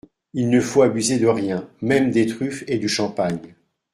Il ne faut abuser de rien, même des truffes et du champagne.